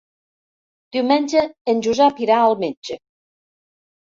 Diumenge en Josep irà al metge.